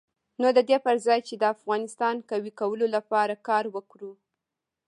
نو د دې پر ځای چې د افغانستان قوي کولو لپاره کار وکړو.